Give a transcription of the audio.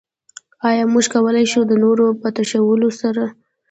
ايا موږ کولای شو د نورو په تشولو سره.